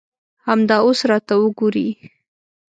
همدا اوس راته وګورئ.